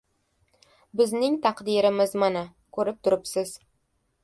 — Bizning taqdirimiz — mana, ko‘rib turibsiz.